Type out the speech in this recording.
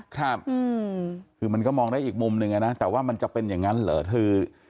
ครับคือมันก็มองได้อีกมุมหนึ่งอะนะแต่ว่ามันจะเป็นอย่างนั้นเหรอคือ